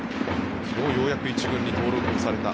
昨日ようやく１軍に登録された。